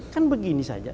kan begini saja